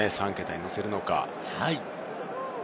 ３桁にのせるのか？